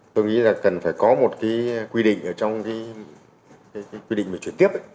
tôi nghĩ là cần phải có một quy định ở trong cái quy định chuyển tiếp